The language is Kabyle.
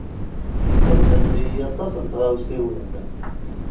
Xedment-iyi aṭas n tɣawsiwin.